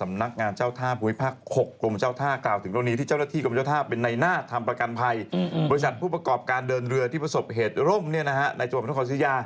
สำนักงานเจ้าท่าผู้วิภาค๖กจพย